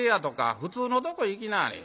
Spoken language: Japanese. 普通のとこ行きなはれ。